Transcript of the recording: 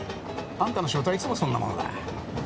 あんたの仕事はいつもそんなものだ。